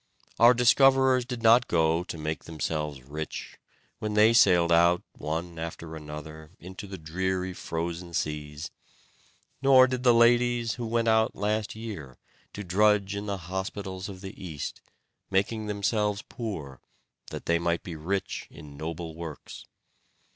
Our discoverers did not go to make themselves rich, when they sailed out one after another into the dreary frozen seas; nor did the ladies, who went out last year, to drudge in the hospitals of the East, making themselves poor, that they might be rich in noble works.